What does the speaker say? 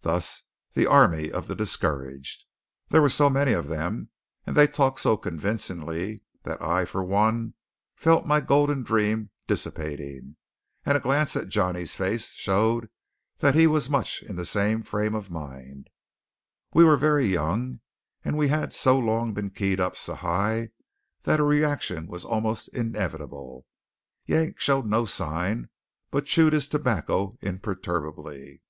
Thus the army of the discouraged. There were so many of them, and they talked so convincingly, that I, for one, felt my golden dream dissipating; and a glance at Johnny's face showed that he was much in the same frame of mind. We were very young; and we had so long been keyed up so high that a reaction was almost inevitable. Yank showed no sign; but chewed his tobacco imperturbably.